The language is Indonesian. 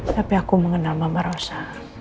tapi aku mengenal mama rosa